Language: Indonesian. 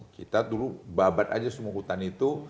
kita dulu babat aja semua hutan itu